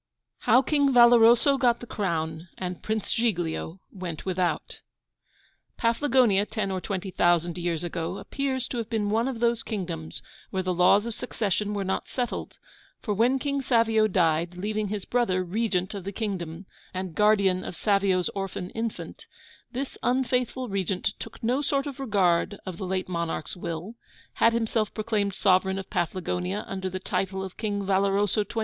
II. HOW KING VALOROSO GOT THE CROWN, AND PRINCE GIGLIO WENT WITHOUT Paflagonia, ten or twenty thousand years ago, appears to have been one of those kingdoms where the laws of succession were not settled; for when King Savio died, leaving his brother Regent of the kingdom, and guardian of Savio's orphan infant, this unfaithful regent took no sort of regard of the late monarch's will; had himself proclaimed sovereign of Paflagonia under the title of King Valoroso XXIV.